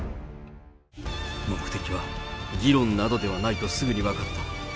目的は議論などではないとすぐに分かった。